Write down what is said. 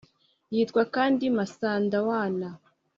yitwa kandi Masandawana